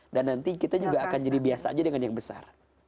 dan nanti kita juga akan jadi biasa aja dengan yang besar